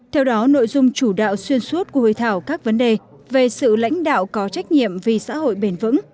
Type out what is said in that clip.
theo đó nội dung chủ đạo xuyên suốt của hội thảo các vấn đề về sự lãnh đạo có trách nhiệm vì xã hội bền vững